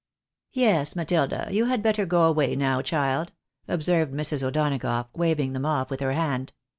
" Yes, Matilda, you had better go away now, child," observed Mrs. O'Donagough, waving them off with her hand.